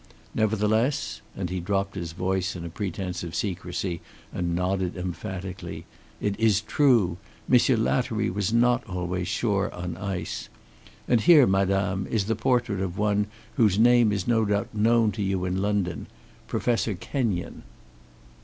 Nevertheless," and he dropped his voice in a pretence of secrecy and nodded emphatically: "It is true. Monsieur Lattery was not always sure on ice. And here, madame, is the portrait of one whose name is no doubt known to you in London Professor Kenyon."